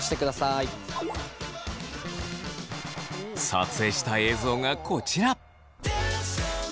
撮影した映像がこちら！